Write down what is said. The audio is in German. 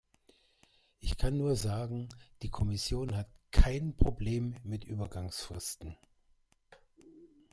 Ich kann nur sagen: Die Kommission hat kein Problem mit Übergangsfristen.